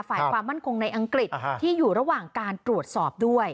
ฝ่ายความมั่นคงในอังกฤษที่อยู่ระหว่างการตรวจสอบด้วย